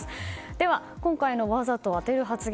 では、今回のわざと当てる発言